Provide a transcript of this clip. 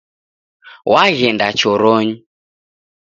Waghenda choronyi